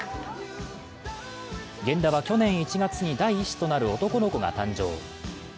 源田は去年１月に第１子となる男の子が誕生。